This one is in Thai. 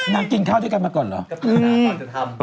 นังกินข้าวที่กันมาก่อนหรอ